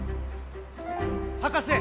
・博士！